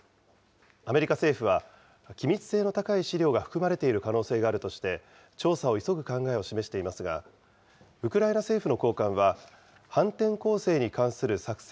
アメリカ政府は、機密性の高い資料が含まれている可能性があるとして、調査を急ぐ考えを示していますが、ウクライナ政府の高官は、反転攻勢に関する作戦